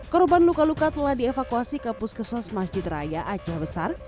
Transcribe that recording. korban luka luka telah dievakuasi ke puskesmas masjid raya aceh besar